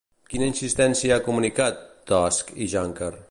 Quina insistència han comunicat Tusk i Juncker?